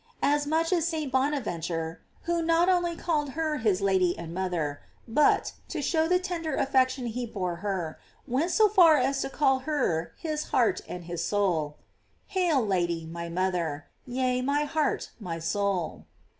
As much aa St. Bonaveiiture, who not only called her hia lady and mother, but, to show the tender affec tion he bore her, went so far as to call her his heart and his soul: ''Hail, lady, my mother; yea, my heart, my soul."